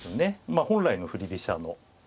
まあ本来の振り飛車の。